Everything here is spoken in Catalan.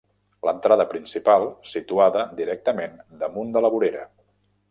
L'entrada principal situada directament damunt de la vorera.